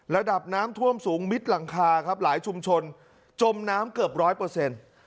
ระดับน้ำท่วมสูงมิดหลังคาครับหลายชุมชนจมน้ำเกือบร้อยเปอร์เซ็นต์